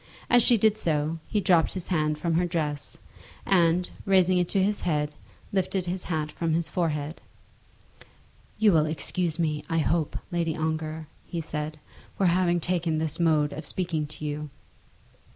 As she did so, he dropped his hand from her dress, and, raising it to his head, lifted his hat from his forehead. "You will excuse me, I hope, Lady Ongar," he said, "for having taken this mode of speaking to you."